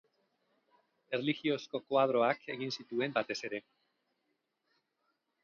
Erlijiozko koadroak egin zituen batez ere.